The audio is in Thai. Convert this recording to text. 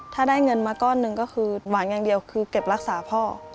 ถ้าได้เงินมาก้อนหนึ่งก็คือหวังอย่างเดียวคือเก็บรักษาพ่อ